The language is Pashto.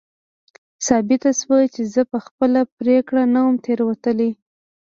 ثابته شوه چې زه په خپله پرېکړه نه وم تېروتلی.